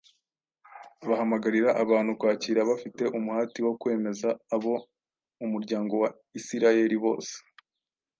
bahamagarira abantu kwakira bafite umuhati wo kwemeza abo mu muryango wa Isirayeli bose